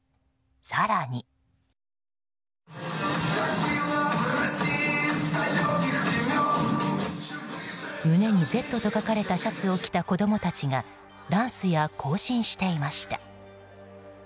更に、胸に「Ｚ」と書かれたシャツを着た子供たちがダンスや行進していました。